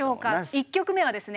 １曲目はですね